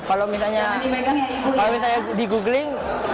kalau misalnya di googling